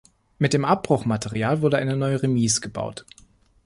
Mit dem Abbruchmaterial wurde eine neue Remise gebaut.